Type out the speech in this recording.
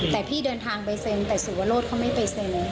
แต่พี่เดินทางไปเซ็นแต่สุวรสเขาไม่ไปเซ็น